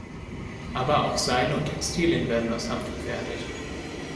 Aber auch Seile und Textilien werden aus Hanf gefertigt.